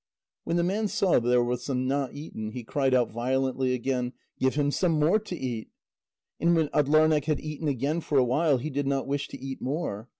When the man saw there was some not eaten, he cried out violently again: "Give him some more to eat." And when Atdlarneq had eaten again for a while, he did not wish to eat more.